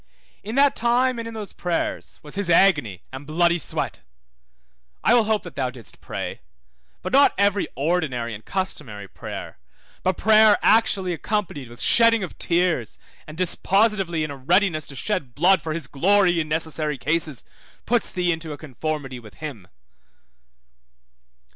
In that time, and in those prayers, was his agony and bloody sweat. I will hope that thou didst pray; but not every ordinary and customary prayer, but prayer actually accompanied with shedding of tears and dispositively in a readiness to shed blood for his glory in necessary cases, puts thee into a conformity with him.